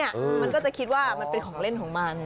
มันก็จะคิดว่ามันเป็นของเล่นของมัน